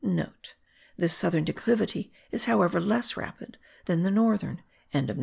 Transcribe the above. (* This southern declivity is however less rapid than the northern.)